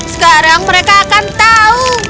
sekarang mereka akan tahu